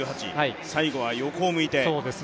最後は横を向いて。